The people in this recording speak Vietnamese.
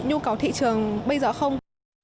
nhu cầu thị trường bây giờ không